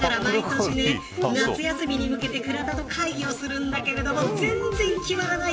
だから、毎日夏休みに向けて倉田と会議するんだけど全然決まらない。